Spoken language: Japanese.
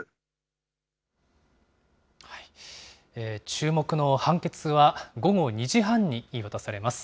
注目の判決は午後２時半に言い渡されます。